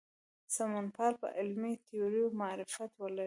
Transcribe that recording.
سمونپال په علمي تیوریو معرفت ولري.